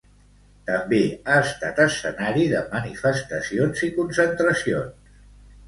També ha estat escenari de manifestacions i concentracions.